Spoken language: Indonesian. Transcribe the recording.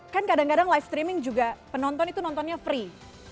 kan kadang kadang live streaming juga penonton itu nontonnya free